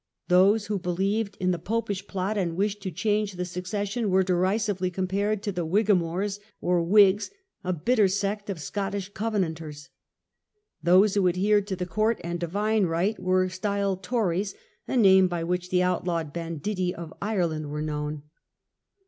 Those who beUeved in the Popish Plot, and wished to change the succession, were derisively compared to the "Wliigamores", or "AVhigs", a bitter sect of Scottish Covenanters. Those who adhered to the Court and Divine Right were styled "Tories", a name by which the outlawed banditti of Ireland were known.